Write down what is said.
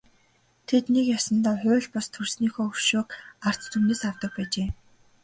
Тэд нэг ёсондоо хууль бус төрснийхөө өшөөг ард түмнээс авдаг байжээ.